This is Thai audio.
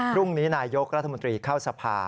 พรุ่งนี้นายกรัฐมนตรีเข้าสภา